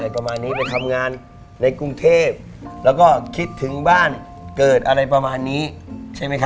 ไปทำงานในกรุงเทพฯแล้วก็คิดถึงบ้านเกิดอะไรประมาณนี้ใช่ไหมคะ